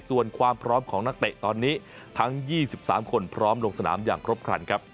ส่วนความพร้อมของนักเตะตอนนี้ทั้ง๒๓คนพร้อมลงสนามอย่างครบครันครับ